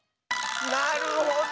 なるほど！